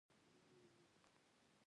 د نېټه لرونکو اثارو شمېر مخ په ځوړ ځي.